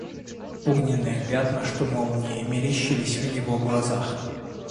Огненные пятна, что молнии, мерещились в его глазах.